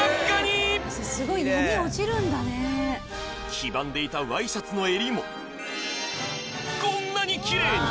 黄ばんでいたワイシャツの襟もこんなにキレイに！